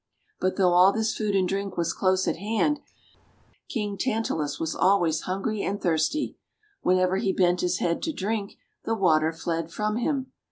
But though all this food and drink was close at hand, King Tantalus was always hungry and thirsty. Whenever he bent his head to drink, the water fled from him.